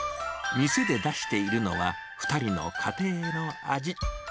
店で出しているのは、２人の家庭の味。